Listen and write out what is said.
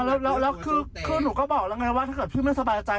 แล้วคือหนูก็บอกแล้วไงว่าถ้าเกิดพี่ไม่สบายใจ